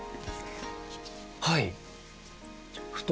はい。